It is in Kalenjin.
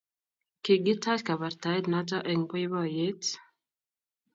Kigitach kabartaet noto eng boiboiyet